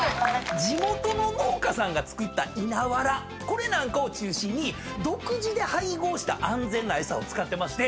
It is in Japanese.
地元の農家さんが作った稲わらこれなんかを中心に独自で配合した安全な餌を使ってまして。